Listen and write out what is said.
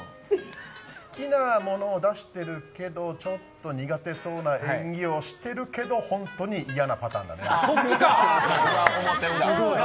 好きなものを出しているけどちょっと苦手そうな演技をしているけど本当にいやなパターンだね。